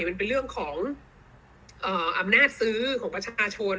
มันเป็นเรื่องของอำนาจซื้อของประชาชน